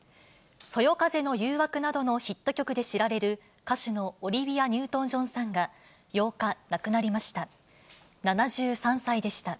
そよ風の誘惑などのヒット曲で知られる、歌手のオリビア・ニュートン・ジョンさんが、８日、亡くなりました。